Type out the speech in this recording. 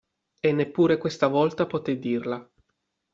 E neppure questa volta potè dirla.